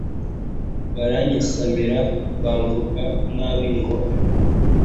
baranyasamira bamvuga nabi ngo